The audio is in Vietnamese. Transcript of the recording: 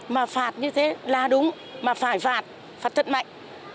mà phạt như thế là đúng mà phải phạt phạt thật mạnh